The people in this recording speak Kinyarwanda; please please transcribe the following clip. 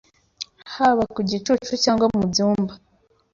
Haba ku gicucu Cyangwa mu byumba